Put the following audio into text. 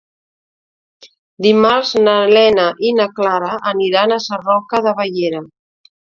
Dimarts na Lena i na Clara aniran a Sarroca de Bellera.